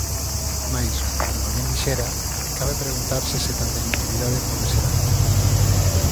Mais, como alguén dixera, cabe preguntarse se tanta inutilidade pode ser amor.